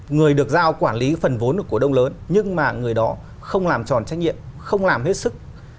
người được giao quản lý phần vốn của cổ đông lớn nhưng mà người đó không làm tròn trách nhiệm không làm hết sức